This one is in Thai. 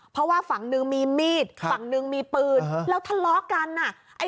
เพราะว่าฝั่งนึงมีมีดฝั่งหนึ่งมีปืนแล้วทะเลาะกันอ่ะ